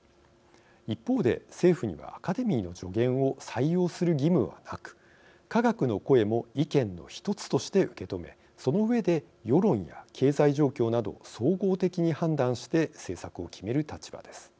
一方で、政府にはアカデミーの助言を採用する義務はなく科学の声も意見の１つとして受け止めその上で世論や経済状況など総合的に判断して政策を決める立場です。